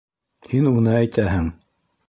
— Һин уны әйтәһең.